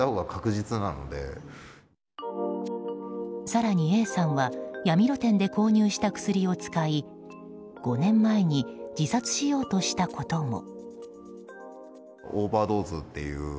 更にＡさんは闇露店で購入した薬を使い５年前に自殺しようとしたことも。